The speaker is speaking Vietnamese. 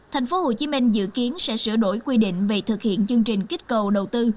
thành phố hồ chí minh dự kiến sẽ sửa đổi quy định về thực hiện chương trình kích cầu đầu tư